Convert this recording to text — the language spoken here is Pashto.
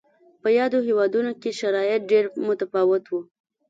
په یادو هېوادونو کې شرایط ډېر متفاوت و.